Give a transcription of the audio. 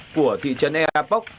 của thị trấn earpop